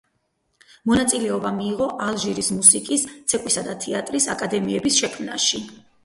მონაწილეობა მიიღო ალჟირში მუსიკის, ცეკვისა და თეატრის აკადემიების შექმნაში.